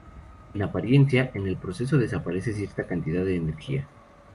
En apariencia, en el proceso desaparece cierta cantidad de energía.